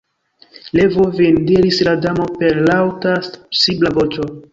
"Levu vin," diris la Damo per laŭta, sibla voĉo.